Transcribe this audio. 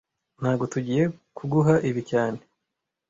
Ntago tugiye kuguha ibi cyane